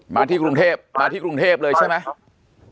มาที่กรุงเทพมาที่กรุงเทพเลยใช่ไหม